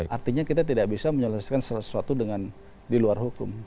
artinya kita tidak bisa menyelesaikan sesuatu dengan di luar hukum